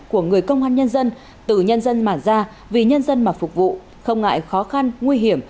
của người công an nhân dân từ nhân dân mà ra vì nhân dân mà phục vụ không ngại khó khăn nguy hiểm